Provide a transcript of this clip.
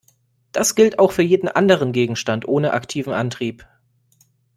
Das gilt auch für jeden anderen Gegenstand ohne aktiven Antrieb.